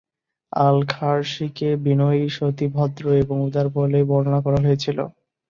আল-খারর্শিকে বিনয়ী, সতী, ভদ্র এবং উদার বলে বর্ণনা করা হয়েছিল।